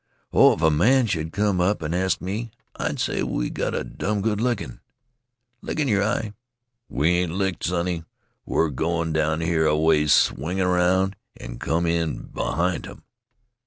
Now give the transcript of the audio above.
"Oh, if a man should come up an' ask me, I'd say we got a dum good lickin'." "Lickin' in yer eye! We ain't licked, sonny. We're goin' down here aways, swing aroun', an' come in behint 'em."